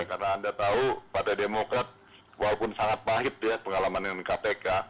karena anda tahu pada demokrat walaupun sangat pahit ya pengalaman dengan kpk